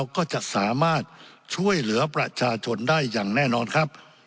ก็จะสามารถช่วยเหลือประชาชนได้อย่างแน่นอนครับ